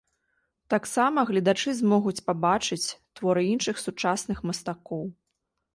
Таксама гледачы змогуць пабачыць творы іншых сучасных мастакоў.